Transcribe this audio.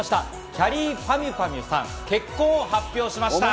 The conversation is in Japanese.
きゃりーぱみゅぱみゅさん、結婚を発表しました。